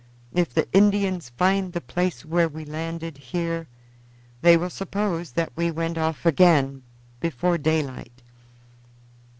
If the Indians find the place where we landed here, they will suppose that we went off again before daylight."